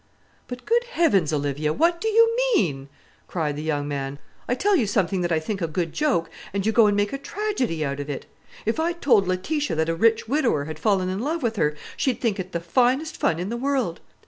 "But, good heavens, Olivia, what do you mean?" cried the young man. "I tell you something that I think a good joke, and you go and make a tragedy out of it. If I'd told Letitia that a rich widower had fallen in love with her, she'd think it the finest fun in the world."